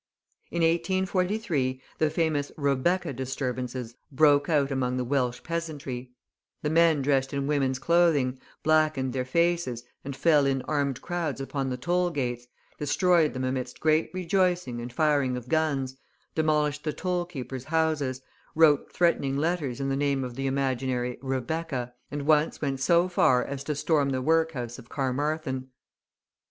In 1843, the famous "Rebecca" disturbances broke out among the Welsh peasantry; the men dressed in women's clothing, blackened their faces, and fell in armed crowds upon the toll gates, destroyed them amidst great rejoicing and firing of guns, demolished the toll keepers' houses, wrote threatening letters in the name of the imaginary "Rebecca," and once went so far as to storm the workhouse of Carmarthen.